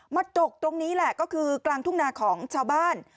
จกตรงนี้แหละก็คือกลางทุ่งนาของชาวบ้าน